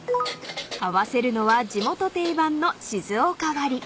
［合わせるのは地元定番の静岡割り］